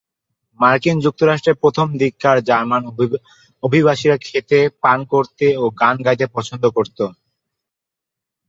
মার্কিন যুক্তরাষ্ট্রের প্রথম দিককার জার্মান অভিবাসীরা খেতে, পান করতে ও গান গাইতে পছন্দ করত।